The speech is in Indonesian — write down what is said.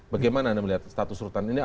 bagaimana anda melihat status rutan ini